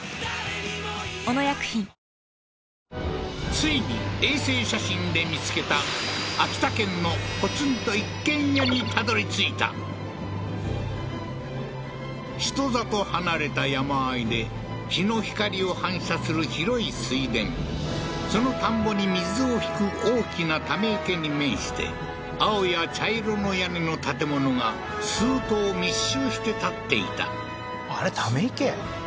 ついに衛星写真で見つけた秋田県の人里離れた山あいで日の光を反射する広い水田その田んぼに水を引く大きなため池に面して青や茶色の屋根の建物が数棟密集して建っていたあれため池？